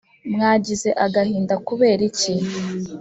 mwagize agahinda kuberiki